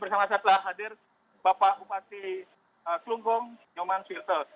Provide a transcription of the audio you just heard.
bersama saya telah hadir bapak upasi klungkung nyoman swirte